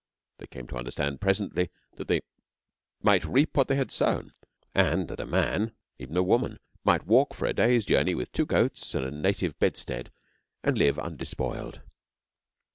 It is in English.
They came to understand presently that they might reap what they had sown, and that man, even a woman, might walk for a day's journey with two goats and a native bedstead and live undespoiled.